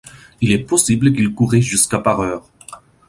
Il est possible qu'il courait jusqu'à par heure.